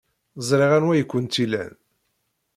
Ẓriɣ anwa ay kent-ilan.